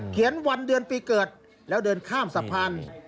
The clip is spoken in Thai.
วันเดือนปีเกิดแล้วเดินข้ามสะพาน